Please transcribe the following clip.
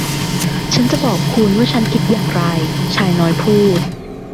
ฉันจะบอกคุณว่าฉันคิดอย่างไรชายน้อยพูด